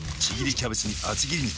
キャベツに厚切り肉。